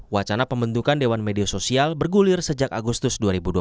wacana pembentukan dewan media sosial bergulir sejak agustus dua ribu dua puluh